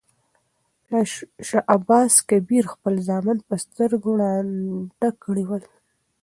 شاه عباس کبیر خپل زامن په سترګو ړانده کړي ول.